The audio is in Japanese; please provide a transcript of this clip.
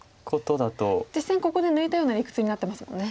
実戦ここで抜いたような理屈になってますもんね。